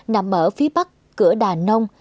nằm ở phía bắc cửa đà nông